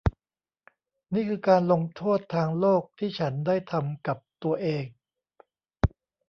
นี่คือการลงโทษทางโลกที่ฉันได้ทำกับตัวเอง